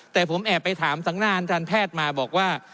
แต่ผมแอบไปถามสังนานทันแพทย์มาบอกว่า